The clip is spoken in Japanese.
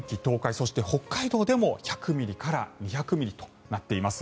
そして、北海道でも１００ミリから２００ミリとなっています。